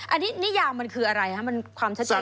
มันมีอีกข้อนึงที่บอกว่าสัตว์ที่มีตามธรรมชาติ